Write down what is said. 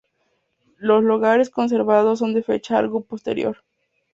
Los lagares conservados son de fecha algo posterior.